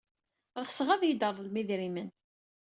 Ɣseɣ ad iyi-d-treḍlem idrimen.